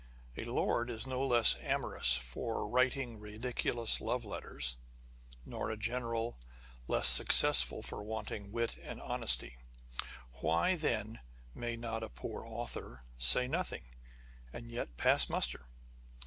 A lord is no less amorous for writing ridi culous love letters, nor a general less successful for wanting wit and honesty. Why, then, may not a poor author say nothing, and yet pass muster